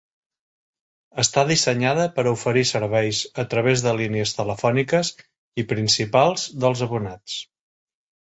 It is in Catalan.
Està dissenyada per oferir serveis a través de línies telefòniques i principals dels abonats.